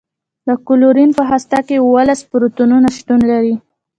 د کلورین په هسته کې اوولس پروتونونه شتون لري.